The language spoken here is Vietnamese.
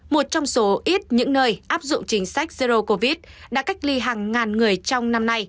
một trong số ít những nơi áp dụng chính sách zero covid đã cách ly hàng ngàn người trong năm nay